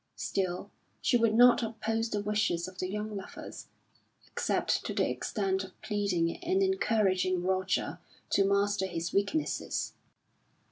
Still she would not oppose the wishes of the young lovers except to the extent of pleading and encouraging Roger to master his weaknesses.